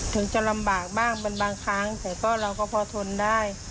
ถึงจะลำบากบ้างมันบางครั้งแต่ก็เราก็พอทนได้